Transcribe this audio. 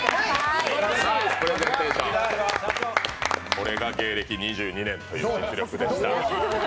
これが芸歴２２年という感じでした。